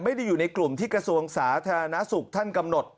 อยู่ในกลุ่มที่กระทรวงสาธารณสุขท่านกำหนด